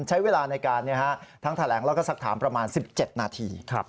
ใช้เวลาในการทางแถลงและทรัพย์ถามประมาณ๑๗นาธิ